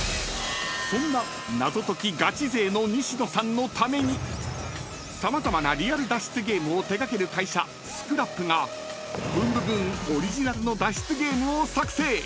［そんな謎解きガチ勢の西野さんのために様々なリアル脱出ゲームを手掛ける会社ＳＣＲＡＰが『ブンブブーン！』オリジナルの脱出ゲームを作成］